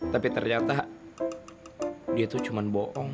tapi ternyata dia itu cuma bohong